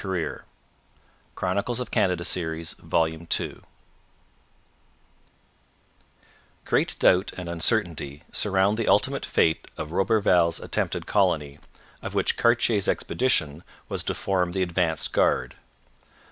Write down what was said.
CHAPTER IX THE CLOSE OF CARTIER'S CAREER Great doubt and uncertainty surround the ultimate fate of Roberval's attempted colony, of which Cartier's expedition was to form the advance guard.